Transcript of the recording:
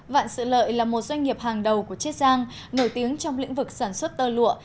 vạn sự lợi là một doanh nghiệp hàng đầu của chiết giang nổi tiếng trong lĩnh vực sản xuất tơ lụa